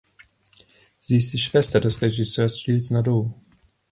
Sie ist die Schwester des Regisseurs Gilles Nadeau.